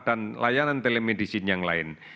dan layanan telemedicine yang lain